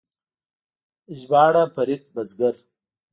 ژباړ: فرید بزګر